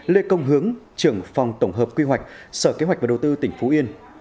lê công hướng trưởng phòng tổng hợp quy hoạch sở kế hoạch và đầu tư tỉnh phú yên